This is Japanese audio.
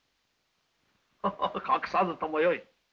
ハハハ隠さずともよい。